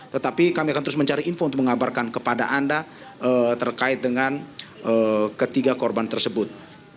tetapi kami akan terus mencari info untuk mengabarkan kepada anda terkait dengan ketiga korban tersebut